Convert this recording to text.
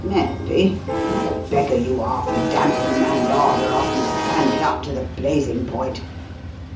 "Mayn't be? What a beggar you are for damping a man's ardour after you've fanned it up to the blazing point.